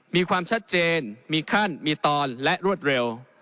มีความชัดเจนมีขั้นมีตอนและรวดเร็ว